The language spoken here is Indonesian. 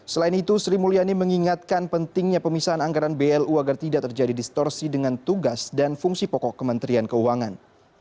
selain itu sri mulyani mengingatkan pentingnya pemisahan anggaran blu agar tidak terjadi distorsi dengan tugas dan fungsi pokok kementerian keuangan